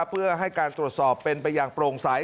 เพื่อให้การตรวจสอบเป็นไปอย่างโปร่งใส